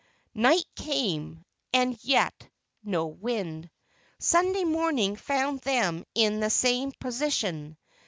Night came, and yet no wind. Sunday morning found them in the same position.